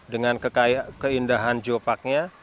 dengan keindahan geoparknya